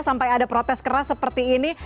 sampai ada protes keras seperti ini